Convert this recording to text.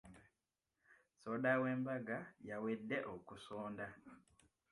Soda w’embaga yawedde okusonda?